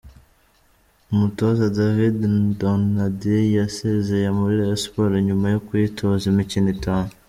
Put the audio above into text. Umutoza David Donadei yasezeye muri Rayon Sports nyuma yo kuyitoza imikino itanu.